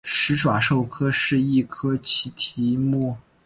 始爪兽科是一科奇蹄目。